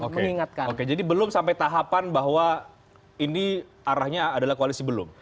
mengingatkan oke jadi belum sampai tahapan bahwa ini arahnya adalah koalisi belum